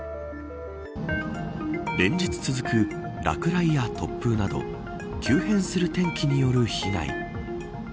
連日続く、落雷や突風など急変する天気による被害。